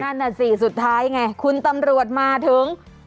นั่นน่ะสิสุดท้ายไงคุณตำรวจมาถึง